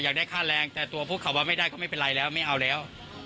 อยากได้ค่าแรงแต่ตัวพวกเขาว่าไม่ได้ก็ไม่เป็นไรแล้วไม่เอาแล้ว